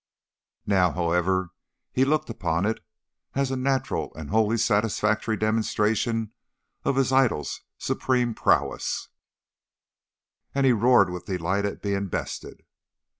Now, however, he looked upon it as a natural and wholly satisfactory demonstration of his idol's supreme prowess, and he roared with delight at being bested.